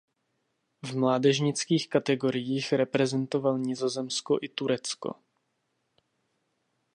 V mládežnických kategoriích reprezentoval Nizozemsko i Turecko.